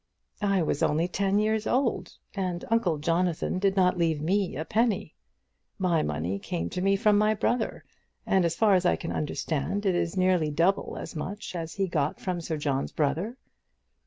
"I was only ten years old, and uncle Jonathan did not leave me a penny. My money came to me from my brother; and, as far as I can understand, it is nearly double as much as he got from Sir John's brother."